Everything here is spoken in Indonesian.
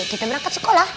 kita berangkat sekolah